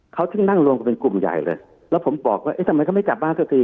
เขาถึงนั่งรวมกันเป็นกลุ่มใหญ่เลยแล้วผมบอกว่าเอ๊ะทำไมเขาไม่กลับบ้านก็คือ